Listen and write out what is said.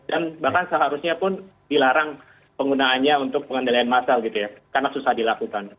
dan bahkan seharusnya pun dilarang penggunaannya untuk pengendalian massa gitu ya karena susah dilakukan